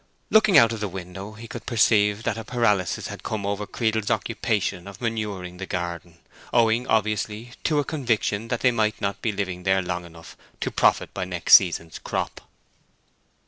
Looking out of the window he could perceive that a paralysis had come over Creedle's occupation of manuring the garden, owing, obviously, to a conviction that they might not be living there long enough to profit by next season's crop.